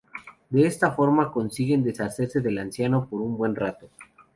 De esta forma consiguen deshacerse del anciano por un buen rato.